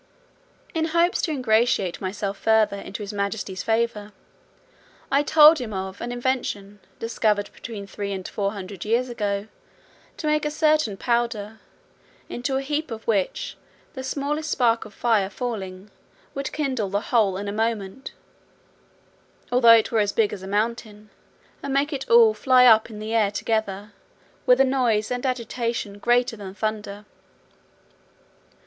In hopes to ingratiate myself further into his majesty's favour, I told him of "an invention, discovered between three and four hundred years ago, to make a certain powder, into a heap of which, the smallest spark of fire falling, would kindle the whole in a moment, although it were as big as a mountain, and make it all fly up in the air together, with a noise and agitation greater than thunder.